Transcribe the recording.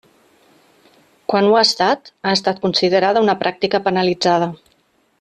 Quan ho ha estat, ha estat considerada una pràctica penalitzada.